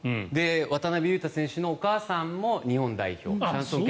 渡邊雄太選手のお母さんも日本代表。